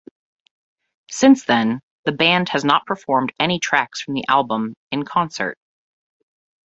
Since then, the band has not performed any tracks from the album in concert.